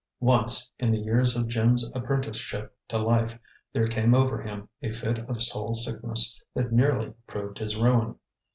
Once, in the years of Jim's apprenticeship to life, there came over him a fit of soul sickness that nearly proved his ruin.